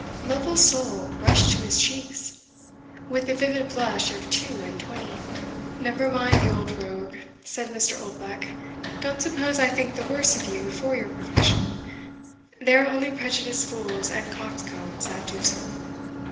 Lovel's soul rushed to his cheeks, with the vivid blush of two and twenty. "Never mind the old rogue," said Mr. Oldbuck; "don't suppose I think the worse of you for your profession; they are only prejudiced fools and coxcombs that do so.